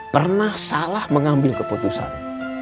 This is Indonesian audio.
pernah salah mengambil keputusan